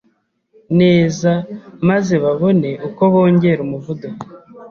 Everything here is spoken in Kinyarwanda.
neza maze babone uko bongera umuvuduko;